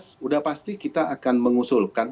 sudah pasti kita akan mengusulkan